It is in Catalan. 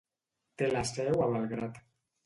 Té la seu a Belgrad.